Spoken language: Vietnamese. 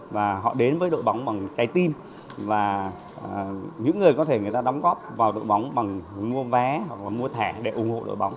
và họ đến với đội bóng bằng trái tim và những người có thể người ta đóng góp vào đội bóng bằng mua vé hoặc mua thẻ để ủng hộ đội bóng